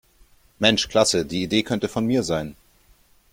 Mensch klasse, die Idee könnte von mir sein!